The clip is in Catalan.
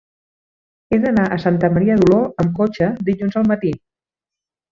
He d'anar a Santa Maria d'Oló amb cotxe dilluns al matí.